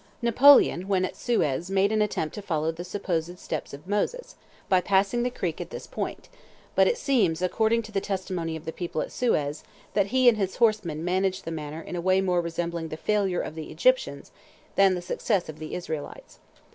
Napoleon when at Suez made an attempt to follow the supposed steps of Moses by passing the creek at this point, but it seems, according to the testimony of the people at Suez, that he and his horsemen managed the matter in a way more resembling the failure of the Egyptians than the success of the Israelites.